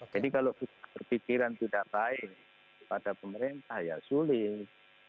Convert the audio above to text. jadi kalau berpikiran tidak baik pada pemerintah ya sulit